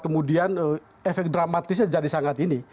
kemudian efek dramatisnya jadi sangat ini